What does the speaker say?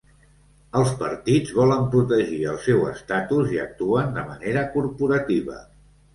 Els partits volen protegir el seu estatus i actuen de manera corporativa.